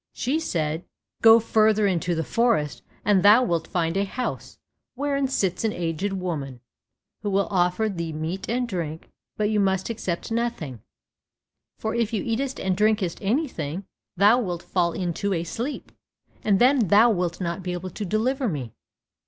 She said, "Go further into the forest, and thou wilt find a house, wherein sits an aged woman, who will offer thee meat and drink, but you must accept nothing, for if you eatest and drinkest anything, thou wilt fall into a sleep, and then thou wilt not be able to deliver me.